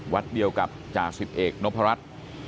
วัดเดียวกับจ่าสิบเอกนพรัช